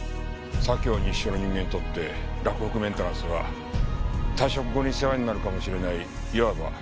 左京西署の人間にとって洛北メンテナンスは退職後に世話になるかもしれない言わばお得意先だ。